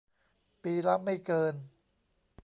ปีละไม่เกิน